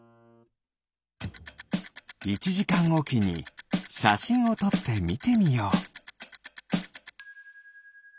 １じかんおきにしゃしんをとってみてみよう。